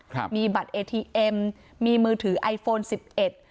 ครับมีบัตรเอทีเอ็มมีมือถือไอโฟนสิบเอ็ด